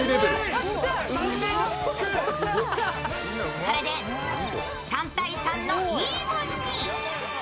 これで３−３のイーブンに。